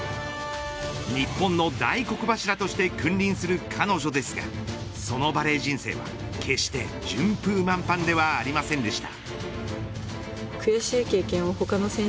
日本の大黒柱として君臨する彼女ですがそのバレー人生は、決して順風満帆ではありませんでした。